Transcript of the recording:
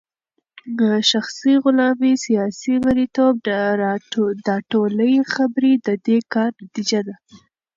شخصي غلامې ، سياسي مريتوب داټولي خبري ددي كار نتيجه ده